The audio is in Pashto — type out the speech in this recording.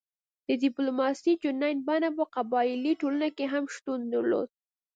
د ډیپلوماسي جنین بڼه په قبایلي ټولنه کې هم شتون درلود